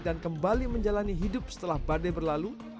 dan kembali menjalani hidup setelah badai berlalu